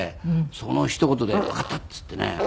そのひと言で「わかった」って言ってね